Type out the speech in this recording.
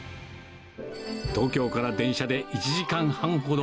東京から電車で１時間半ほど。